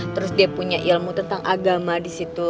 terus dia punya ilmu tentang agama disitu